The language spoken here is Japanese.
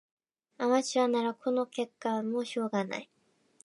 アマチュアならこの結果もしょうがない